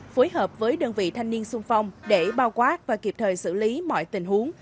phối hợp với đơn vị thanh niên sung phong để bao quát và kịp thời xử lý mọi tình huống